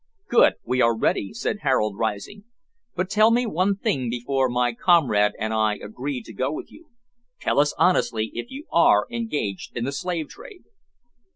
"Good, we are ready," said Harold, rising, "but tell me one thing before my comrade and I agree to go with you, tell us honestly if you are engaged in the slave trade."